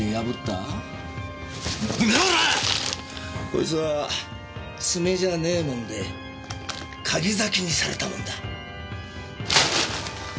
こいつは爪じゃねえものでかぎ裂きにされたものだ。